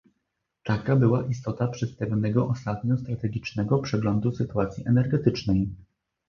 Taka była istota przedstawionego ostatnio strategicznego przeglądu sytuacji energetycznej